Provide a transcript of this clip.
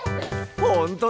ほんとだ。